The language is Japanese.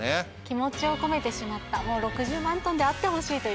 気持ちを込めてしまったもう６０万ｔであってほしいという。